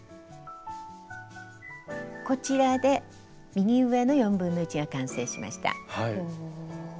こちらで右上の1/4が完成しました。